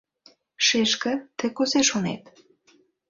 Шешке, тый кузе шонет?